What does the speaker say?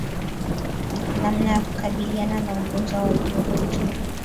Namna ya kukabiliana na ugonjwa wa ukurutu